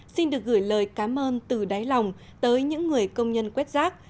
xin được gửi lời cám ơn từ đáy lòng tới những người công nhân quét rác